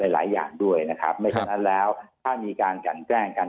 หลายอย่างด้วยนะครับไม่ฉะนั้นแล้วถ้ามีการกันแกล้งกัน